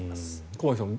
駒木さん